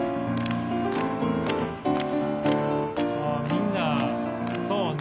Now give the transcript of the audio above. みんなそうね。